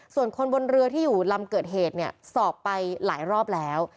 ส่วนคนบนเรือที่อยู่ลำเกิดเหตุเนี่ยสอบไปหลายรอบแล้ว